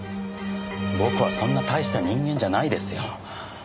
僕はそんな大した人間じゃないですよ。